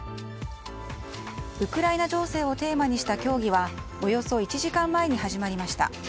ウクライナ情勢をテーマにした協議はおよそ１時間前に始まりました。